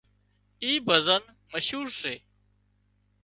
اين ڀزن مشهور سي